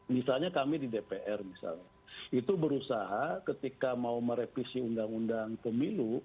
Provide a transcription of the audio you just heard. misalnya kami di dpr misalnya itu berusaha ketika mau merevisi undang undang pemilu